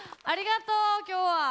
ありがとう今日は。